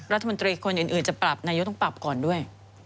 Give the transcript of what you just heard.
รัฐมนตรีคนอื่นจะปรับนายกต้องปรับก่อนด้วย